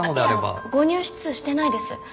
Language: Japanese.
あっいやご入室してないです。